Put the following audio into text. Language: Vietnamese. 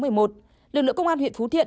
lực lượng công an huyện phú thiện